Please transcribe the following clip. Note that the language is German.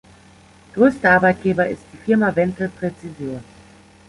Größter Arbeitgeber ist die Firma Wenzel-Präzision.